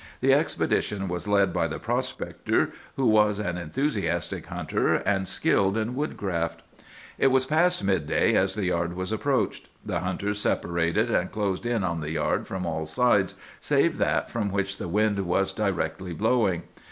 The expedition was led by the prospector, who was an enthusiastic hunter, and skilled in woodcraft. "It was past midday as the yard was approached. The hunters separated, and closed in on the yard from all sides save that from which the wind was directly blowing.